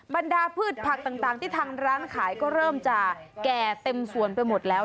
บรรดาพืชผักต่างที่ทางร้านขายก็เริ่มจะแก่เต็มสวนไปหมดแล้ว